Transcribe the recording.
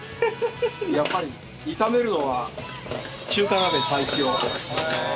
やっぱり炒めるのは中華鍋、最強。